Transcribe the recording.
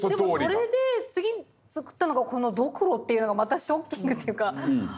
でもそれで次作ったのがこのドクロっていうのがまたショッキングっていうかねえ。